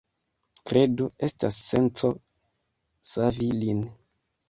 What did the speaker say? Kredu, estas senco savi lin.